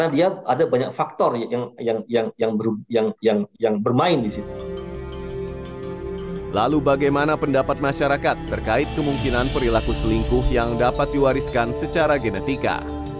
lalu bagaimana pendapat masyarakat terkait kemungkinan perilaku selingkuh yang dapat diwariskan secara genetika